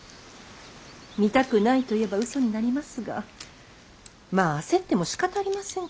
見たくないと言えば嘘になりますがまあ焦ってもしかたありませんから。